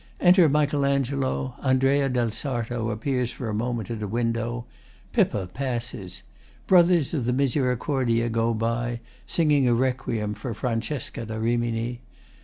Enter MICHAEL ANGELO. ANDREA DEL SARTO appears for a moment at a window. PIPPA passes. Brothers of the Misericordia go by, singing a Requiem for Francesca da Rimini.